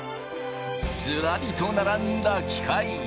ずらりと並んだ機械。